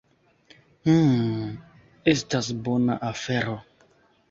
"Mmm, estas bona afero."